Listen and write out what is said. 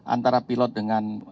antara pilot dengan